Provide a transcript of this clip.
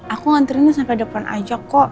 aku nganterinnya sampai depan aja kok